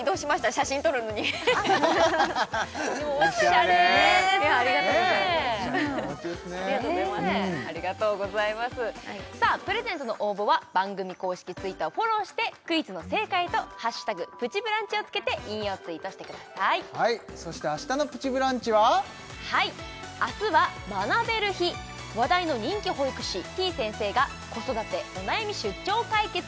写真撮るのにおしゃれありがとうございますありがとうございますプレゼントの応募は番組公式Ｔｗｉｔｔｅｒをフォローしてクイズの正解と「＃プチブランチ」をつけて引用ツイートしてくださいそして明日の「プチブランチ」は？明日は学べる日話題の人気保育士てぃ先生が子育てお悩み出張解決